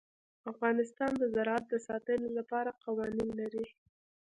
افغانستان د زراعت د ساتنې لپاره قوانین لري.